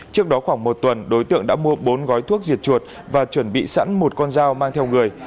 trước đó khoảng một tuần đối tượng đã mua bốn gói thuốc diệt chuột và chuẩn bị sẵn một con dao mang theo người